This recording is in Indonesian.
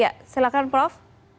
ya silakan prof